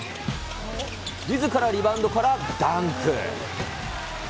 みずからリバウンドからダンク。